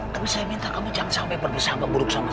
tapi saya minta kamu jangan sampai pergi sahabat buruk sama saya